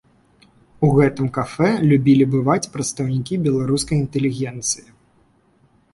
У гэтым кафэ любілі бываць прадстаўнікі беларускай інтэлігенцыі.